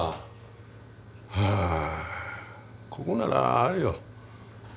あここならあれよ。